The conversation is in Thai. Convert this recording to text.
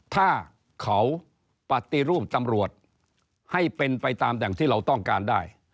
ถ้าเขาปฏิรูปตำรวจให้เป็นไปตามอย่างที่เราต้องการได้